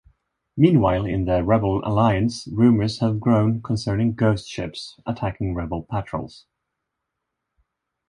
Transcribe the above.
Meanwhile, in the Rebel Alliance, rumors have grown concerning "ghost ships" attacking Rebel patrols.